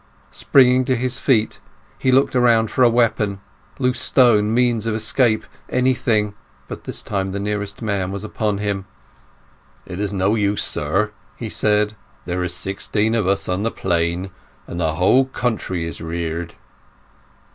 Springing to his feet, he looked around for a weapon, loose stone, means of escape, anything. By this time the nearest man was upon him. "It is no use, sir," he said. "There are sixteen of us on the Plain, and the whole country is reared."